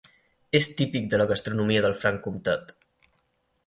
És típic de la gastronomia del Franc-Comtat.